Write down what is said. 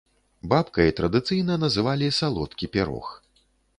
Бабкай традыцыйна называлі салодкі пірог.